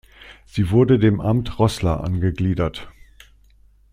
Sie wurde dem Amt Roßla angegliedert.